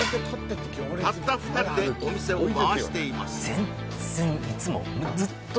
たった２人でお店を回しています